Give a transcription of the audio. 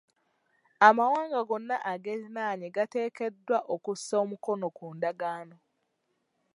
Amawanga gonna ageeriraanye gateekeddwa okusa omukono ku ndagaano.